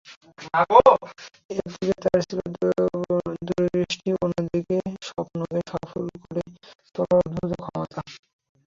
একদিকে তাঁর ছিল দূরদৃষ্টি, অন্যদিকে স্বপ্নকে সফল করে তোলার অদ্ভুত ক্ষমতা।